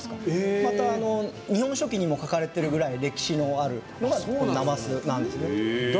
また日本書紀にも書かれてるぐらい歴史のある、なますなんですね。